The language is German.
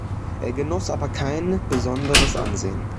Er genoss aber kein besonderes Ansehen.